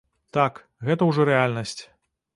Так, гэта ўжо рэальнасць.